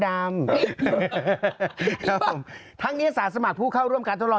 ครับผมทั้งเทศสามารถผู้เข้าร่วมการทดลอง